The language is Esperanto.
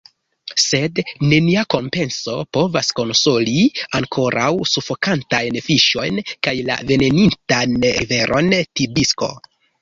Sed nenia kompenso povas konsoli ankoraŭ sufokantajn fiŝojn kaj la venenitan riveron Tibisko.